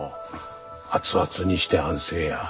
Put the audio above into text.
熱々にして安静や。